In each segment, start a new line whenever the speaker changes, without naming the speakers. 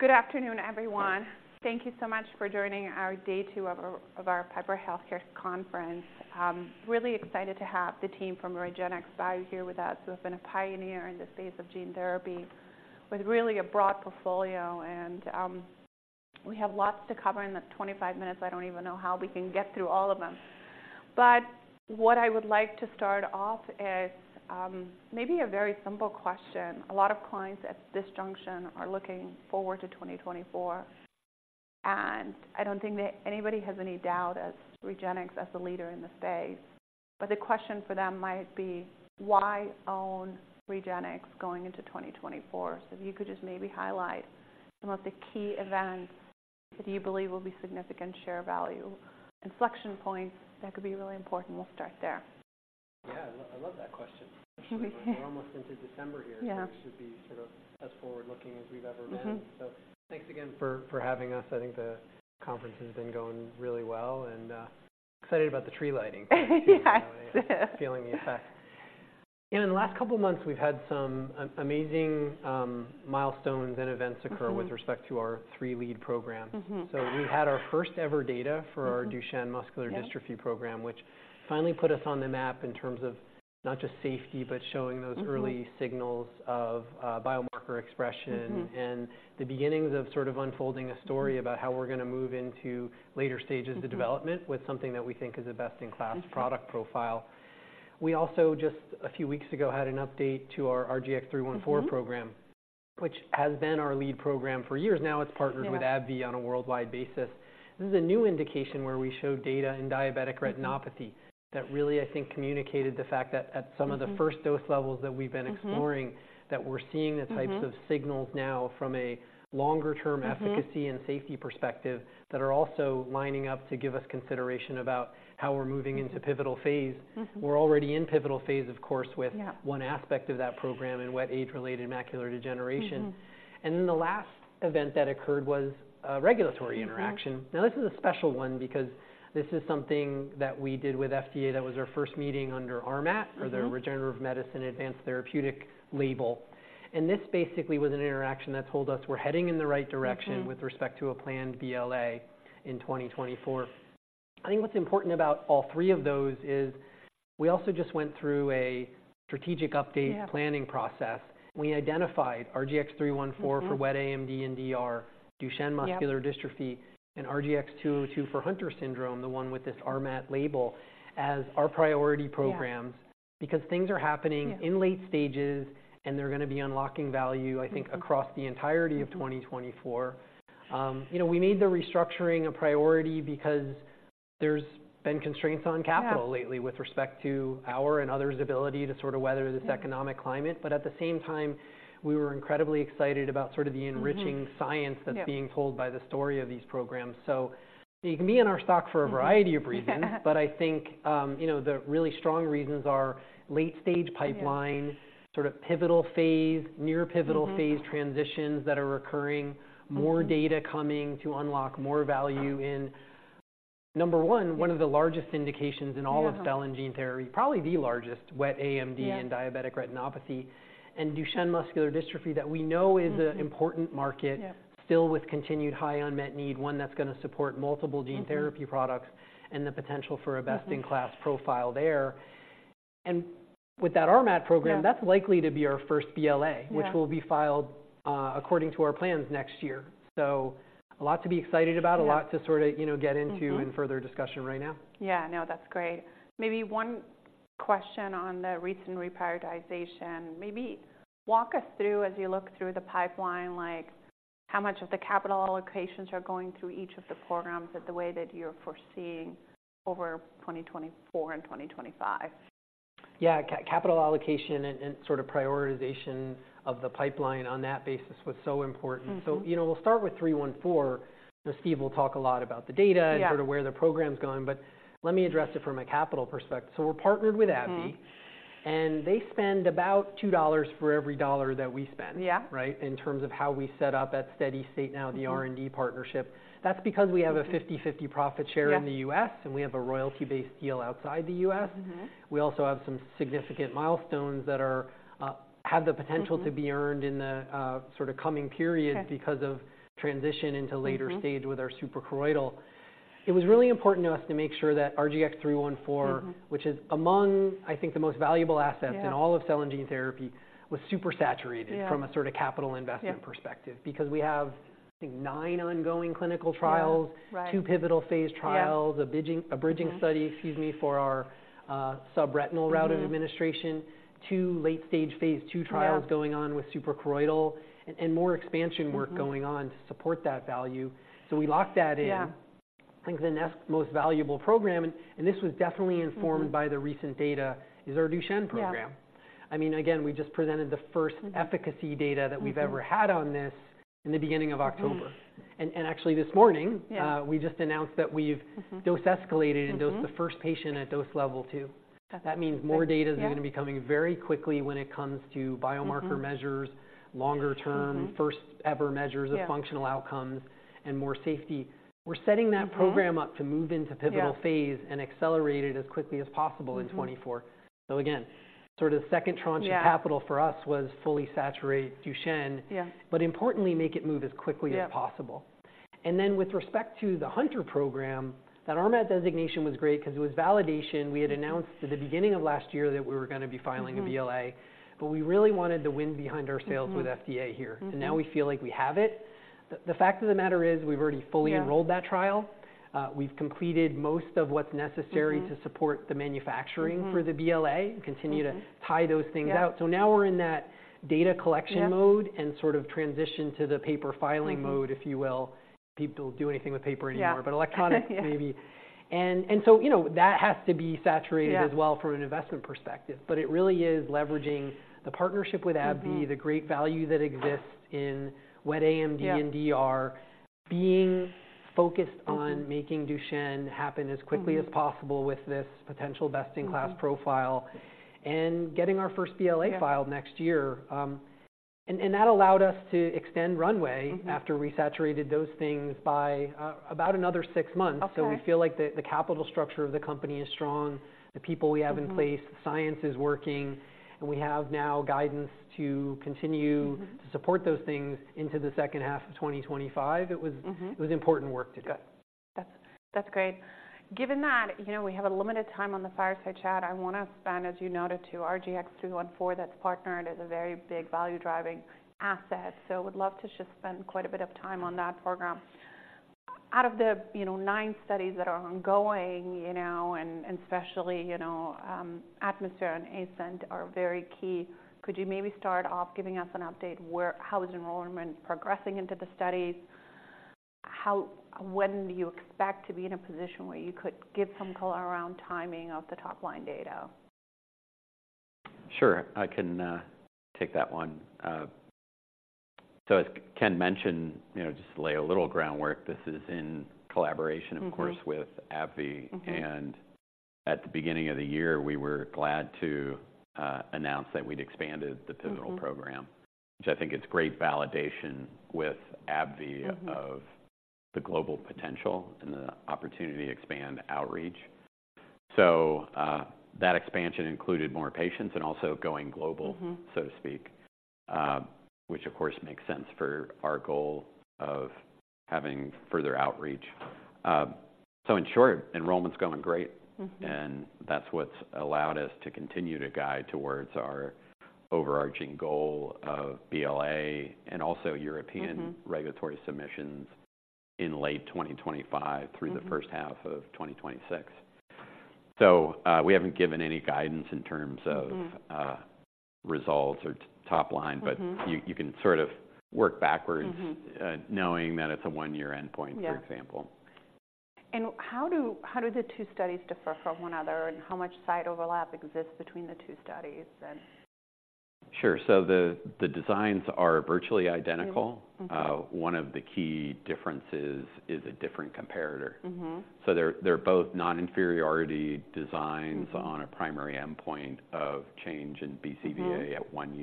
Good afternoon, everyone. Thank you so much for joining our day two of our Piper Sandler Healthcare Conference. Really excited to have the team from REGENXBIO here with us, who have been a pioneer in the space of gene therapy with really a broad portfolio. We have lots to cover in the 25 minutes. I don't even know how we can get through all of them. But what I would like to start off is maybe a very simple question. A lot of clients at this junction are looking forward to 2024, and I don't think that anybody has any doubt as REGENXBIO as the leader in the space. But the question for them might be: Why own REGENXBIO going into 2024? If you could just maybe highlight some of the key events that you believe will be significant share value inflection points, that could be really important. We'll start there.
Yeah, I love that question. We're almost into December here.
Yeah.
We should be sort of as forward-looking as we've ever been. Thanks again for having us. I think the conference has been going really well and excited about the tree lighting.
Yes.
Feeling the effect. In the last couple of months, we've had some amazing milestones and events occur-with respect to our three lead programs. So we had our first ever data for our Duchenne muscular dystrophy program, which finally put us on the map in terms of not just safety, but showing those early signals of, biomarker expression. And the beginnings of sort of unfolding a story about how we're gonna move into later stages- of development with something that we think is a best-in-class- product profile. We also, just a few weeks ago, had an update to our RGX-314-program, which has been our lead program for years now. It's partnered-
Yeah
with AbbVie on a worldwide basis. This is a new indication where we show data in diabetic retinopathy that really, I think, communicated the fact that at some of- the first dose levels that we've been exploring-that we're seeing the types- of signals now from a longer-term efficacy and safety perspective, that are also lining up to give us consideration about how we're moving into pivotal phase. We're already in pivotal phase, of course, with-
Yeah
one aspect of that program, in wet age-related macular degeneration. And then the last event that occurred was a regulatory interaction. Now, this is a special one because this is something that we did with FDA. That was our first meeting under RMAT or the Regenerative Medicine Advanced Therapy label. This basically was an interaction that told us we're heading in the right direction with respect to a planned BLA in 2024. I think what's important about all three of those is we also just went through a strategic update-
Yeah
planning process. We identified RGX-314- for wet AMD and DR, Duchenne muscular dystrophy-
Yeah
and RGX-202 for Hunter syndrome, the one with this RMAT label, as our priority programs.
Yeah.
Because things are happening-
Yeah
in late stages, and they're gonna be unlocking value, I think across the entirety of 2024. You know, we made the restructuring a priority because there's been constraints on capital-
Yeah
lately with respect to our and others' ability to sort of weather this economic climate. But at the same time, we were incredibly excited about sort of the enriching science that's
Yeah
being told by the story of these programs. So you can be in our stock for a variety of reasons. But I think, you know, the really strong reasons are late-stage pipeline-
Yeah
sort of pivotal phase, near pivotal phase transitions that are occurring. More data coming to unlock more value in, number one, one of the largest indications in all of-
Yeah
cell and gene therapy, probably the largest, wet AMD-
Yeah
and diabetic retinopathy, and Duchenne muscular dystrophy, that we know is an important market-
Yeah
still with continued high unmet need, one that's gonna support multiple gene therapy products and the potential for a best-in-class profile there. With that RMAT program that's likely to be our first BLA-
Yeah
which will be filed, according to our plans, next year. So a lot to be excited about-
Yeah
a lot to sort of, you know, get into in further discussion right now.
Yeah. No, that's great. Maybe one question on the recent reprioritization. Maybe walk us through as you look through the pipeline, like how much of the capital allocations are going to each of the programs, the way that you're foreseeing over 2024 and 2025?
Yeah. Capital allocation and sort of prioritization of the pipeline on that basis was so important. You know, we'll start with 314. Steve will talk a lot about the data-
Yeah
and sort of where the program's going, but let me address it from a capital perspective. So we're partnered with AbbVie and they spend about $2 for every $1 that we spend.
Yeah.
Right? In terms of how we set up at steady state now the R&D partnership. That's because we have a 50/50 profit share-
Yeah
in the U.S., and we have a royalty-based deal outside the U.S. We also have some significant milestones that are, have the potential to be earned in the sort of coming period-
Okay
because of transition into later stage with our suprachoroidal. It was really important to us to make sure that RGX-314 which is among, I think, the most valuable assets-
Yeah
in all of cell and gene therapy, was supersaturated-
Yeah
from a sort of capital investment perspective.
Yeah.
Because we have, I think, nine ongoing clinical trials-
Right. Right
two pivotal phase trials.
Yeah.
A bridging study excuse me, for our, subretinal route of administration, two late-stage phase II trials-
Yeah
going on with suprachoroidal, and more expansion work going on to support that value. So we locked that in.
Yeah.
I think the next most valuable program, and this was definitely informed by the recent data, is our Duchenne program.
Yeah.
I mean, again, we just presented the first efficacy data that we've ever had on this in the beginning of October. Actually, this morning-
Yeah
we just announced that we've dose escalated and dosed the first patient at dose level two.
That's great.
That means more data-
Yeah
is gonna be coming very quickly when it comes to biomarker measures longer term first ever measures of functional outcomes-
Yeah
and more safety. We're setting that program up to move into pivotal phase-
Yeah
and accelerate it as quickly as possible in 2024. So again, sort of the second tranche of capital-
Yeah
for us was fully saturate Duchenne-
Yeah
but importantly, make it move as quickly as possible. And then with respect to the Hunter program, that RMAT designation was great because it was validation. We had announced at the beginning of last year that we were going to be filing a BLA, but we really wanted wind in our sails with FDA here. Now we feel like we have it. The fact of the matter is, we've already fully enrolled-
Yeah
that trial. We've completed most of what's necessary to support the manufacturing for the BLA, and continue to Tie those things out.
Yeah.
Now we're in that data collection mode-
Yeah
and sort of transition to the paper filing mode. If you will. People don't do anything with paper anymore.
Yeah.
But electronic, maybe.
Yeah.
You know, that has to be saturated-
Yeah
As well from an investment perspective, but it really is leveraging the partnership with AbbVie. the great value that exists in wet AMD-
Yeah
and DR, being focused on Making Duchenne happen as quickly as possible. with this potential best-in-class profile and getting our first BLA
Yeah
filed next year. And that allowed us to extend runway after we saturated those things by, about another six months.
Okay.
We feel like the capital structure of the company is strong, the people we have in place science is working, and we have now guidance to continue to support those things into the second half of 2025. It was It was important work to do.
Good. That's, that's great. Given that, you know, we have a limited time on the fireside chat, I want to spend, as you noted, to RGX-314, that's partnered, is a very big value-driving asset. So would love to just spend quite a bit of time on that program. Out of the, you know, nine studies that are ongoing, you know, and, and especially, you know, ATMOSPHERE and ASCENT are very key. Could you maybe start off giving us an update how is enrollment progressing into the studies? When do you expect to be in a position where you could give some color around timing of the top-line data?
Sure. I can take that one. So as Ken mentioned, you know, just to lay a little groundwork, this is in collaboration, of course with AbbVie. At the beginning of the year, we were glad to announce that we'd expanded the pivotal program which I think it's great validation with AbbVie. of the global potential and the opportunity to expand outreach. So, that expansion included more patients and also going global. So to speak. Which of course makes sense for our goal of having further outreach. So in short, enrollment's going great. That's what's allowed us to continue to guide toward our overarching goal of BLA and also European regulatory submissions in late 2025 through the first half of 2026. So, we haven't given any guidance in terms of results or top line. But you can sort of work backwards. Knowing that it's a one-year endpoint.
Yeah
for example.
How do the two studies differ from one another, and how much site overlap exists between the two studies then?
Sure. So the designs are virtually identical. One of the key differences is a different comparator. So they're both non-inferiority designs on a primary endpoint of change in BCVA at one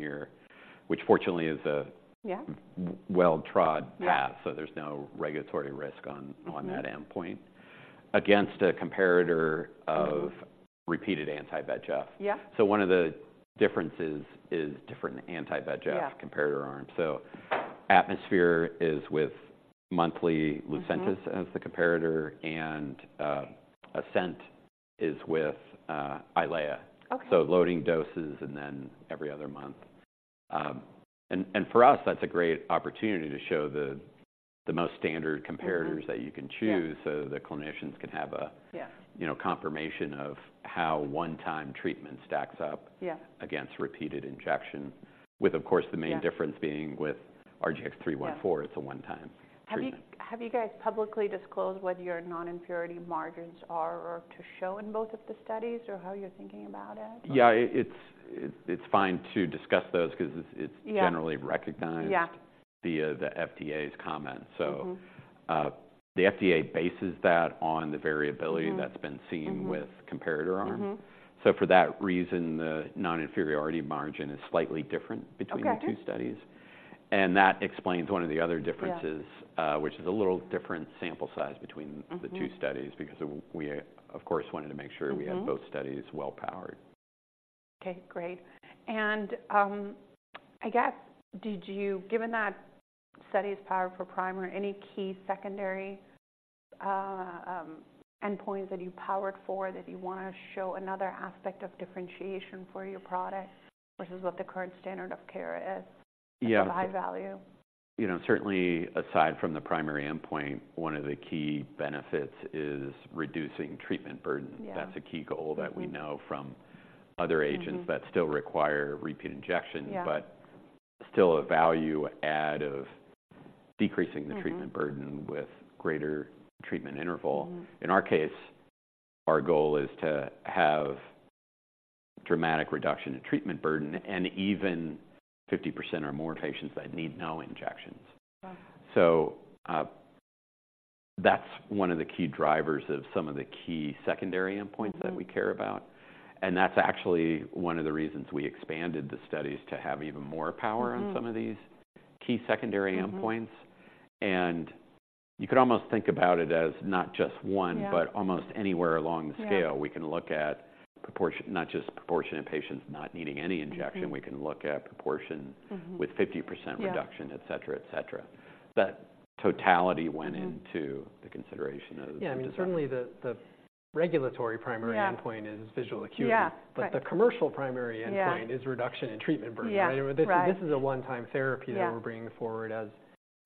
year, which fortunately is a
Yeah
well-trod path.
Yeah.
There's no regulatory risk on, on that endpoint. Against a comparator of repeated anti-VEGF.
Yeah.
One of the differences is different anti-VEGF-
Yeah
comparator arms. So ATMOSPHERE is with monthly Lucentis as the comparator, and ASCENT is with Eylea.
Okay.
So loading doses and then every other month. And for us, that's a great opportunity to show the most standard comparators that you can choose.
Yeah.
So the clinicians can have a-
Yeah
you know, confirmation of how one-time treatment stacks up
Yeah
against repeated injection. With, of course, the main difference
Yeah
beginning with RGX-314
Yeah
It's a one-time treatment.
Have you guys publicly disclosed what your non-inferiority margins are, or to show in both of the studies, or how you're thinking about it?
Yeah, it's fine to discuss those because it's-
Yeah
generally recognized-
Yeah
via the FDA's comment. The FDA bases that on the variability that's been seen with comparator arm. For that reason, the non-inferiority margin is slightly different between-
Okay
the two studies. And that explains one of the other differences.
Yeah
which is a little different sample size between the two studies, because we, of course, wanted to make sure. We had both studies well powered.
Okay, great. I guess, did you. Given that study is powered for primary, any key secondary endpoints that you powered for, that you want to show another aspect of differentiation for your product, versus what the current standard of care is?
Yeah
to high value?
You know, certainly aside from the primary endpoint, one of the key benefits is reducing treatment burden.
Yeah.
That's a key goal that we know from other agents that still require repeat injections.
Yeah.
But still a value add of decreasing the treatment burden with greater treatment interval. In our case, our goal is to have dramatic reduction in treatment burden and even 50% or more patients that need no injections.
Wow!
So, that's one of the key drivers of some of the key secondary endpoints that we care about, and that's actually one of the reasons we expanded the studies to have even more power on some of these key secondary endpoints. You could almost think about it as not just one-
Yeah
but almost anywhere along the scale
Yeah
we can look at proportion, not just proportion of patients not needing any injection. We can look at proportion with 50% reduction
Yeah
et cetera, et cetera. That totality went into the consideration of-
Yeah, I mean, certainly the regulatory primary-
Yeah
Endpoint is visual acuity.
Yeah. Right.
The commercial primary endpoint-
Yeah
is reduction in treatment burden.
Yeah. Right.
This is a one-time therapy-
Yeah
-that we're bringing forward as,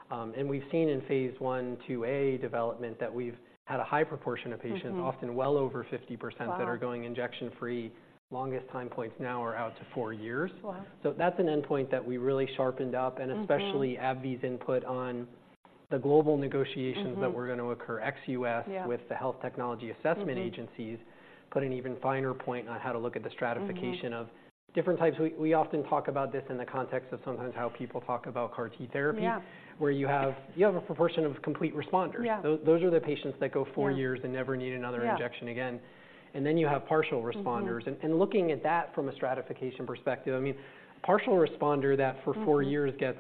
and we've seen in phase I, II-A development that we've had a high proportion of patients often well over 50%
Wow!
that are going injection-free. Longest time points now are out to four years.
Wow!
That's an endpoint that we really sharpened up and especially AbbVie's input on the global negotiations that were going to occur ex-U.S.
Yeah
with the health technology assessment agencies put an even finer point on how to look at the stratification of Different types. We often talk about this in the context of sometimes how people talk about CAR T therapy.
Yeah.
Where you have, you have a proportion of complete responders.
Yeah.
Those are the patients that go four years-
Yeah
and never need another injection again.
Yeah.
And then you have partial responders looking at that from a stratification perspective, I mean, partial responder that for four years gets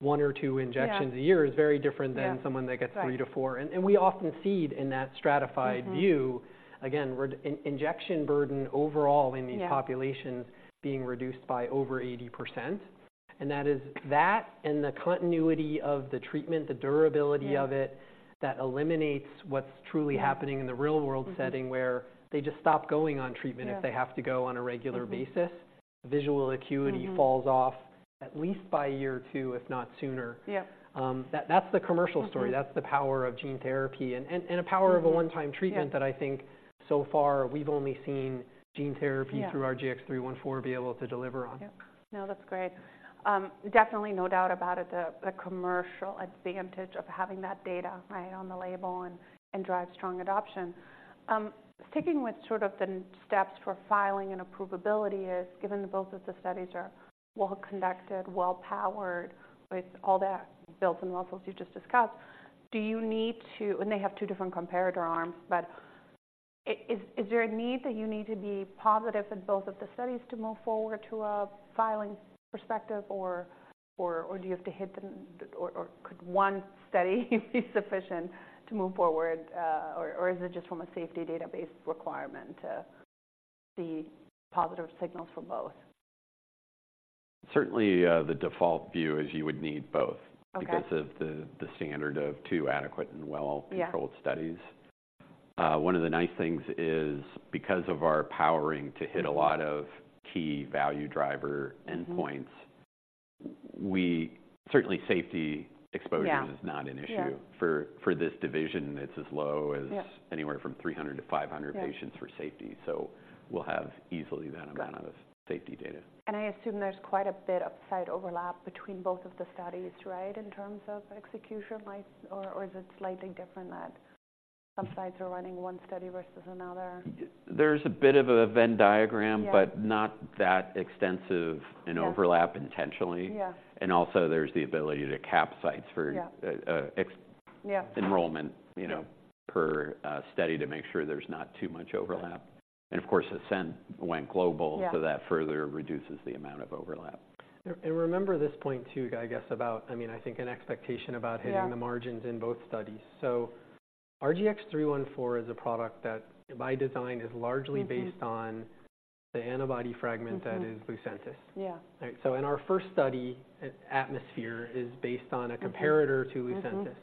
one or two injections a year
Yeah
is very different than
Yeah
someone that gets three to four.
Right.
We often see it in that stratified view. Again, reducing injection burden overall in these populations.
Yeah
being reduced by over 80%, and that is... That and the continuity of the treatment, the durability of it-
Yeah
that eliminates what's truly happening.
Yeah
-in the real world setting, where they just stop going on treatment-
Yeah
if they have to go on a regular basis. Visual acuity falls off at least by year two, if not sooner.
Yeah.
That, that's the commercial story. That's the power of gene therapy and a power of a one-time treatment
Yeah
that I think so far, we've only seen gene therapy-
Yeah
through RGX-314 be able to deliver on.
Yeah. No, that's great. Definitely no doubt about it, the commercial advantage of having that data right on the label and drive strong adoption. Sticking with sort of the steps for filing and approvability, given that both of the studies are well conducted, well powered, with all the builds and levels you just discussed, do you need to. And they have two different comparator arms, but is there a need that you need to be positive in both of the studies to move forward to a filing perspective, or do you have to hit the, or could one study be sufficient to move forward, or is it just from a safety database requirement to see positive signals for both?
Certainly, the default view is you would need both-
Okay
because of the standard of two adequate and well-
Yeah
controlled studies. One of the nice things is, because of our powering to hit a lot of key value driver endpoints. We certainly, safety exposure.
Yeah
is not an issue.
Yeah.
For this division, it's as low as-
Yeah
anywhere from 300-500 patients
Yeah
for safety. So we'll have easily that amount of
Got it
-safety data.
I assume there's quite a bit of site overlap between both of the studies, right? In terms of execution like, or is it slightly different that some sites are running one study versus another?
There's a bit of a Venn diagram-
Yeah
but not that extensive.
Yeah
in overlap intentionally.
Yeah.
Also, there's the ability to cap sites for-
Yeah
-uh, uh, ex-
Yeah
-enrollment, you know, per study, to make sure there's not too much overlap. And of course, ASCENT went global-
Yeah
So that further reduces the amount of overlap.
Remember this point, too, I guess, about. I mean, I think an expectation about hitting-
Yeah
-the margins in both studies. So RGX-314 is a product that by design is largely based on the antibody fragment that is Lucentis.
Yeah.
Right. So in our first study, ATMOSPHERE is based on a comparator to Lucentis.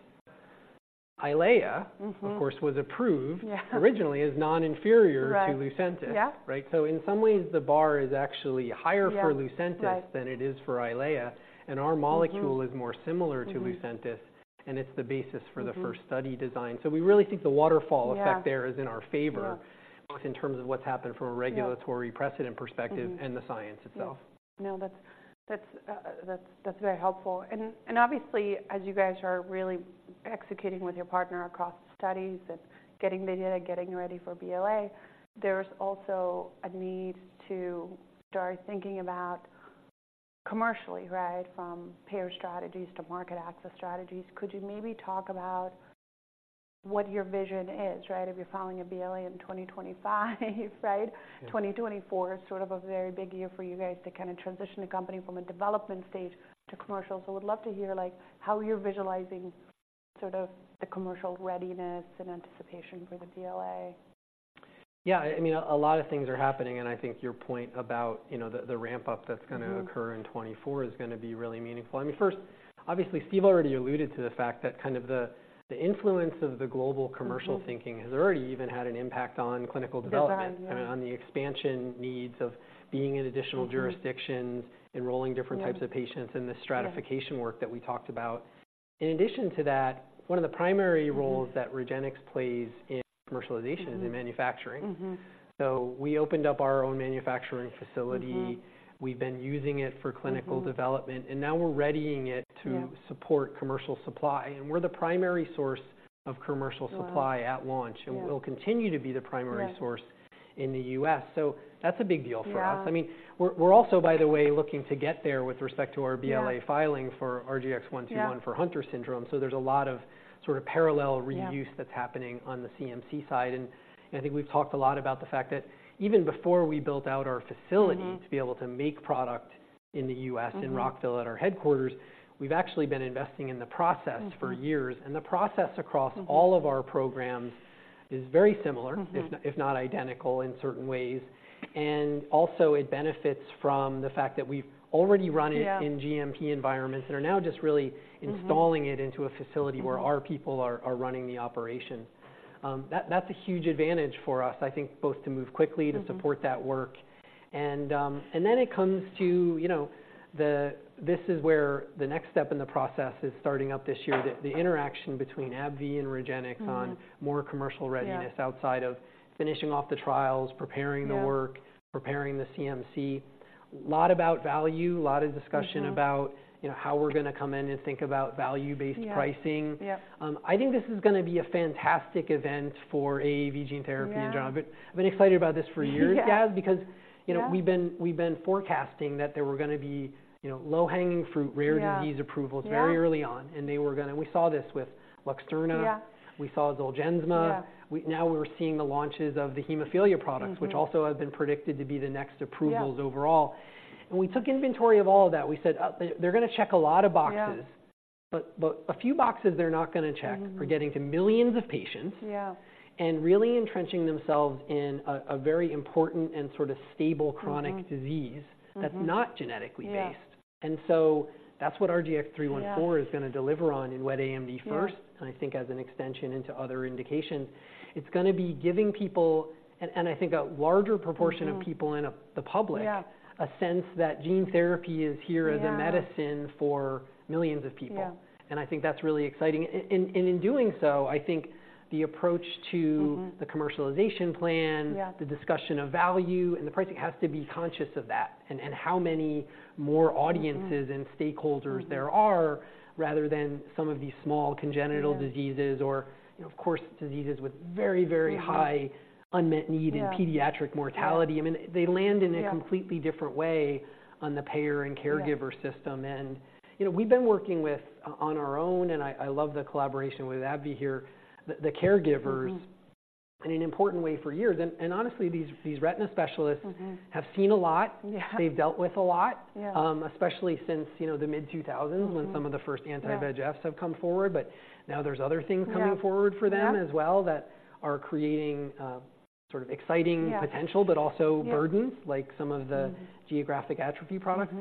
Eylea of course, was approved.
Yeah
originally as non-inferior.
Right
to Lucentis.
Yeah.
Right. So in some ways, the bar is actually higher for-
Yeah
-Lucentis-
Right
than it is for Eylea, and our molecule is more similar to Lucentis and it's the basis for the. First study design. So we really think the waterfall effect.
Yeah
There is in our favor.
Yeah
in terms of what's happened from a regulatory
Yeah
precedent perspective and the science itself.
Yeah. No, that's, that's very helpful. And, and obviously, as you guys are really executing with your partner across studies and getting the data, getting ready for BLA, there's also a need to start thinking about commercially, right? From payer strategies to market access strategies. Could you maybe talk about what your vision is, right, if you're filing a BLA in 2025, right?
Yeah.
2024 is sort of a very big year for you guys to kind of transition the company from a development stage to commercial. So would love to hear, like, how you're visualizing sort of the commercial readiness and anticipation for the BLA.
Yeah, I mean, a lot of things are happening, and I think your point about, you know, the ramp-up that's gonna occur in 2024 is gonna be really meaningful. I mean, first, obviously, Steve already alluded to the fact that kind of the influence of the global commercial thinking. Has already even had an impact on clinical development.
Exactly, yeah
and on the expansion needs of being in additional jurisdictions, enrolling different types of patients.
Yeah
and the stratification work that we talked about. In addition to that, one of the primary roles that REGENXBIO plays in commercialization is in manufacturing. We opened up our own manufacturing facility. We've been using it for clinical development, and now we're readying it to-
Yeah
support commercial supply. And we're the primary source of commercial supply.
Wow!
at launch
Yeah
and we'll continue to be the primary source
Yeah
in the U.S., so that's a big deal for us.
Yeah.
I mean, we're also, by the way, looking to get there with respect to our BLA-
Yeah
filing for RGX-121
Yeah
for Hunter syndrome. So there's a lot of sort of parallel reuse
Yeah
that's happening on the CMC side. And I think we've talked a lot about the fact that even before we built out our facility to be able to make product in the U.S. in Rockville, at our headquarters, we've actually been investing in the process for years. And the process across. All of our programs is very similar if not, if not identical in certain ways. And also, it benefits from the fact that we've already run it
Yeah
in GMP environments and are now just really installing it into a facility where our people are running the operation. That's a huge advantage for us, I think, both to move quickly to support that work. And then it comes to, you know, the—this is where the next step in the process is starting up this year, the interaction between AbbVie and REGENXBIO on more commercial readiness-
Yeah
outside of finishing off the trials, preparing the work-
Yeah.
preparing the CMC. A lot about value, a lot of discussion about you know, how we're going to come in and think about value-based pricing.
Yeah. Yeah.
I think this is gonna be a fantastic event for AAV gene therapy in general.
Yeah.
I've been excited about this for years, Yaz-
Yeah
because, you know
Yeah
We've been forecasting that there were gonna be, you know, low-hanging fruit, rare disease-
Yeah
approvals very early on, and they were gonna. We saw this with LUXTURNA.
Yeah.
We saw Zolgensma.
Yeah.
Now we're seeing the launches of the hemophilia products which also have been predicted to be the next approvals overall.
Yeah.
We took inventory of all of that. We said, "They're gonna check a lot of boxes.
Yeah.
But, a few boxes they're not gonna check are getting to millions of patients-
Yeah
and really entrenching themselves in a very important and sort of stable chronic disease that's not genetically based.
Yeah.
And so that's what RGX-314-
Yeah
is gonna deliver on in wet AMD first-
Yeah
and I think as an extension into other indications. It's gonna be giving people, and, and I think a larger proportion of people in the public
Yeah
a sense that gene therapy is here.
Yeah
as a medicine for millions of people.
Yeah.
And I think that's really exciting. In doing so, I think the approach to the commercialization plan
Yeah
the discussion of value and the pricing has to be conscious of that, and how many more audiences, and stakeholders there are, rather than some of these small congenital diseases-
Yeah
or, you know, of course, diseases with very, very high Unmet need in pediatric mortality.
Yeah.
I mean, they land in a-
Yeah
completely different way on the payer and caregiver system.
Yeah.
You know, we've been working on our own, and I love the collaboration with AbbVie here, the caregivers in an important way for years. And honestly, these retina specialists have seen a lot.
Yeah.
They've dealt with a lot.
Yeah.
Especially since, you know, the mid-2000s when some of the first anti-VEGFs have come forward, but now there's other things coming forward-
Yeah
for them as well, that are creating, sort of exciting
Yeah
potential, but also burdens
Yeah
like some of the geographic atrophy products.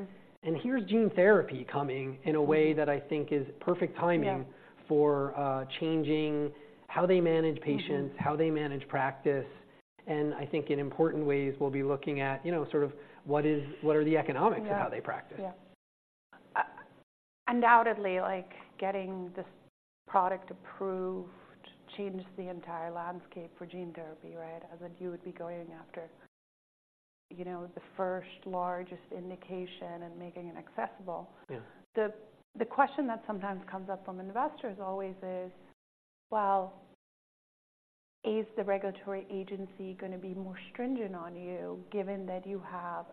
Here's gene therapy coming in a way that I think is perfect timing.
Yeah
for, changing how they manage patients. How they manage practice. And I think in important ways, we'll be looking at, you know, sort of what are the economics-
Yeah
of how they practice?
Yeah. Undoubtedly, like, getting this product approved changed the entire landscape for gene therapy, right? As like you would be going after, you know, the first largest indication and making it accessible.
Yeah.
The question that sometimes comes up from investors always is: Well, is the regulatory agency gonna be more stringent on you, given that you have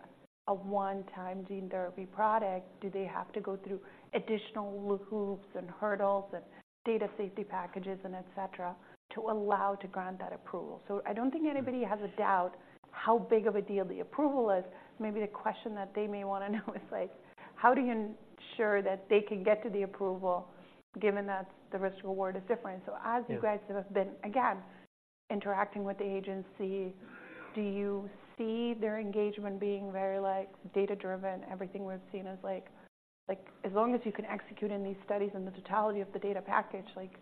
a one-time gene therapy product? Do they have to go through additional hoops and hurdles and data safety packages and etc., to allow to grant that approval? So I don't think anybody has a doubt how big of a deal the approval is. Maybe the question that they may wanna know is like, how do you ensure that they can get to the approval, given that the risk reward is different?
Yeah.
As you guys have been, again, interacting with the agency, do you see their engagement being very, like, data-driven? Everything we've seen is like, like, as long as you can execute in these studies and the totality of the data package, like-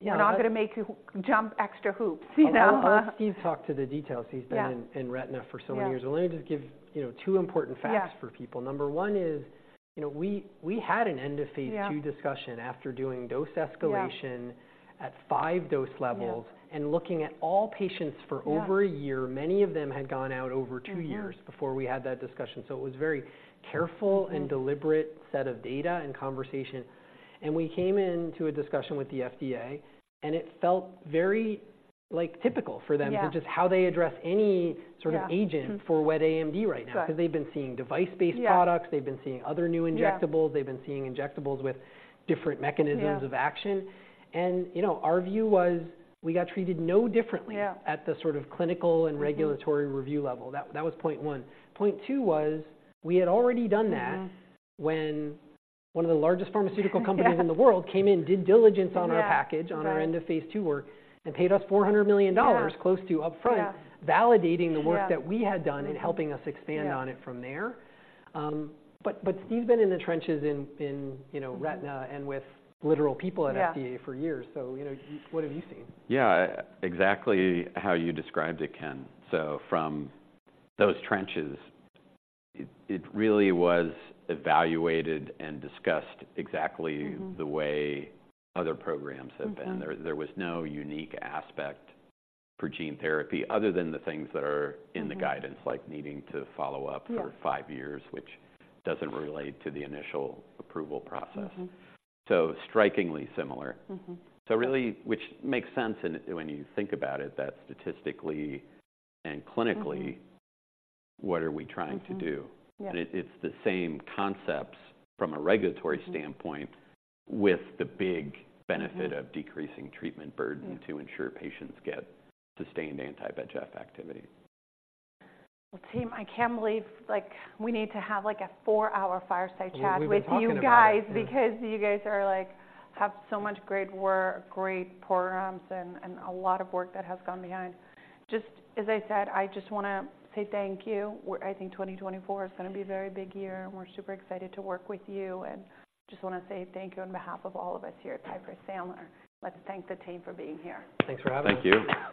Yeah, I-
they're not gonna make you jump extra hoops, you know?
I'll Steve talk to the details.
Yeah.
He's been in retina for so many years.
Yeah.
Let me just give, you know, two important facts.
Yeah
for people. Number one is, you know, we had an end of Phase II
Yeah
discussion after doing dose escalation
Yeah
at 5 dose levels
Yeah
and looking at all patients for over a year.
Yeah.
Many of them had gone out over two years before we had that discussion. So it was very careful a deliberate set of data and conversation. We came into a discussion with the FDA, and it felt very, like, typical for them
Yeah
for just how they address any sort of-
Yeah
agent for wet AMD right now.
Right.
Because they've been seeing device-based products.
Yeah.
They've been seeing other new injectables.
Yeah.
They've been seeing injectables with different mechanisms of action.
Yeah.
You know, our view was we got treated no differently-
Yeah
at the sort of clinical and regulatory. Review level. That, that was point one. Point two was, we had already done that when one of the largest pharmaceutical companies in the world-
Yeah
came in, did diligence on our package
Yeah
on our end of phase II work, and paid us $400 million
Yeah
close to upfront
Yeah
validating the work that we had done, and helping us expand on it from there.
Yeah.
But Steve's been in the trenches in you know retina and with literal people at FDA
Yeah
for years. So, you know, what have you seen?
Yeah, exactly how you described it, Ken. So from those trenches, it really was evaluated and discussed exactly the way other programs have been. There was no unique aspect for gene therapy, other than the things that are in the guidance like needing to follow up.
Yeah
for five years, which doesn't relate to the initial approval process. So strikingly similar. Really, which makes sense and when you think about it, that statistically and clinically. What are we trying to do?
Yeah.
It's the same concepts from a regulatory standpoint with the big benefit of decreasing treatment burden.
Yeah
to ensure patients get sustained anti-VEGF activity.
Well, team, I can't believe, like, we need to have, like, a four hour fireside chat...
Well, we've been talking about it.
with you guys because you guys are like, have so much great work, great programs, and, and a lot of work that has gone behind. Just as I said, I just wanna say thank you. We're I think 2024 is gonna be a very big year, and we're super excited to work with you. And just wanna say thank you on behalf of all of us here at Piper Sandler. Let's thank the team for being here.
Thanks for having us.
Thank you.